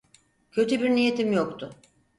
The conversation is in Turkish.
Kötü bir niyetim yoktu.